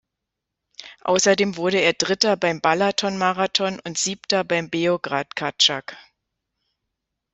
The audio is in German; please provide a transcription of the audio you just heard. Außerdem wurde er Dritter beim Balaton Maraton und Siebter bei Beograd-Cacak.